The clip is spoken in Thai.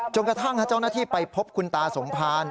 กระทั่งเจ้าหน้าที่ไปพบคุณตาสมภาร